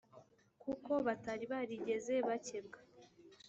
kuko batari barigeze bakebwa